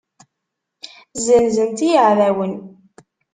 Zzenzen-tt i yeεdawen.